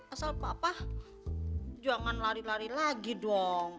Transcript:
asal papa jangan lari lari lagi dong